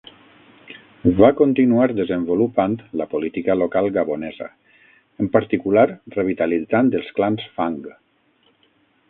Va continuar desenvolupant la política local gabonesa, en particular revitalitzant els clans Fang.